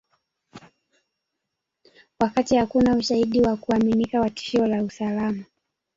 Wakati hakuna ushahidi wa kuaminika wa tishio la usalama